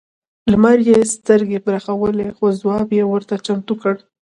لمر یې سترګې برېښولې خو ځواب یې ورته چمتو کړ.